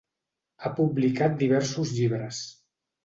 Ha publicat diversos llibres.